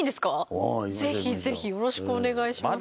ぜひぜひよろしくお願いします。